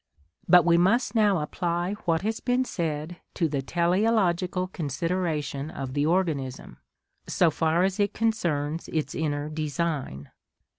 But we must now apply what has been said to the teleological consideration of the organism, so far as it concerns its inner design.